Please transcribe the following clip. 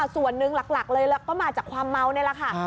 ส่วนหนึ่งหลักเลยก็มาจากความเมานี่แหละค่ะ